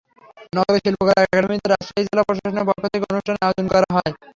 নগরের শিল্পকলা একাডেমীতে রাজশাহী জেলা প্রশাসনের পক্ষ থেকে অনুষ্ঠানের আয়োজন করা হয়।